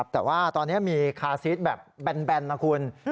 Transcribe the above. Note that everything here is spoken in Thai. แต่ว่าตอนนี้มีคาซีสแบบแบนนะคุณ